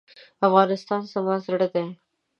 افغانستان زما زړه دی.